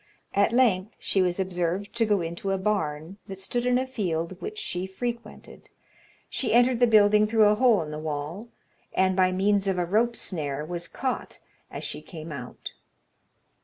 At length she was observed to go into a barn that stood in a field which she frequented. She entered the building through a hole in the wall, and, by means of a rope snare, was caught as she came out.